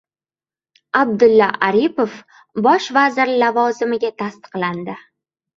Abdulla Aripov bosh vazir lavozimiga tasdiqlandi